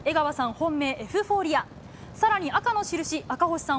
本命、エフフォーリア、さらに赤の印、赤星さん